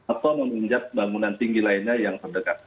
atau meminjat bangunan tinggi lainnya yang terdekat